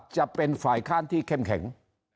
จะเป็นฝ่ายค้านที่เข้มแข็ง